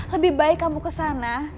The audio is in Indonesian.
lebih baik kamu kesana